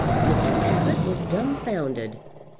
Mr. Tappitt was dumbfounded.